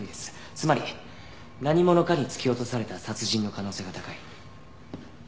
つまり何者かに突き落とされた殺人の可能性が高い。